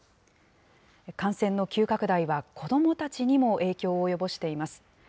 感染の急拡大は子どもたちにも影響を及ぼしています。